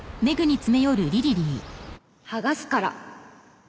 剥がすから。